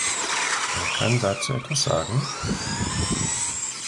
Wer kann dazu etwas sagen?